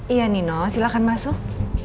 iya nino silahkan masuk